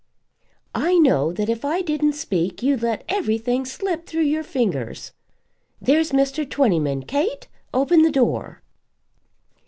"I know that if I didn't speak you'd let everything slip through your fingers. There's Mr. Twentyman. Kate, open the door."